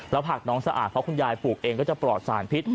ผักน้องสะอาดเพราะคุณยายปลูกเองก็จะปลอดสารพิษ